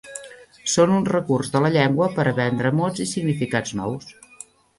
Són un recurs de la llengua per aprendre mots i significats nous.